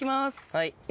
はい。